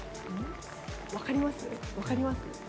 分かります？